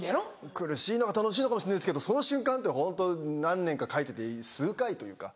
苦しいのが楽しいのかもしれないですけどその瞬間ってホント何年か書いてて数回というか。